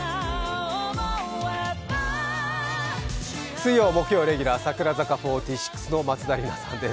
水曜、木曜レギュラー櫻坂４６の松田里奈さんです。